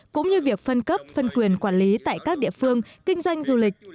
cũng như việc phân cấp phân quyền quản lý tại các địa phương kinh doanh du lịch